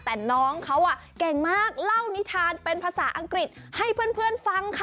แต่น้องเขาเก่งมากเล่านิทานเป็นภาษาอังกฤษให้เพื่อนฟังค่ะ